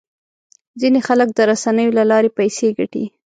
ځینې خلک د رسنیو له لارې پیسې ګټي.